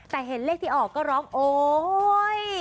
แต่เห็นเลขที่ออกก็ร้องโอ๊ย